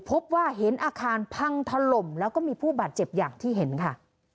พบว่าเห็นอาคารพังถล่มแล้วก็มีผู้บาดเจ็บอย่างที่เห็นค่ะ